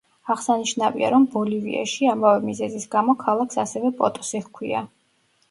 აღსანიშნავია, რომ ბოლივიაში, ამავე მიზეზის გამო ქალაქს ასევე პოტოსი ჰქვია.